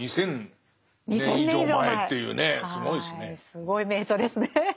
すごい名著ですね。